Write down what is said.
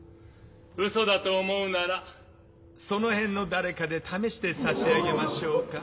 ウソだと思うならその辺の誰かで試してさしあげましょうか？